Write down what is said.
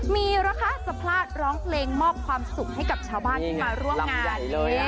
มีเหรอคะจะพลาดร้องเพลงมอบความสุขให้กับชาวบ้านที่มาร่วมงานเลย